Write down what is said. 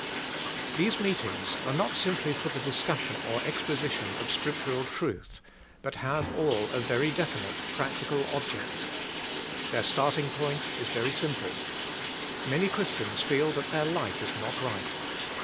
These meetings are not simply for the discussion or exposition of scriptural truth, but have all a very definite, practical object. Their starting point is very simple. Many Christians feel that their life is not right.